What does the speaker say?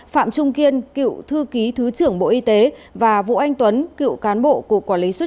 phạm trung kiên cựu thư ký thứ trưởng bộ y tế và vũ anh tuấn cựu cán bộ cục quản lý xuất nhập cảnh bộ công an